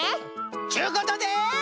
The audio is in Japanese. っちゅうことで。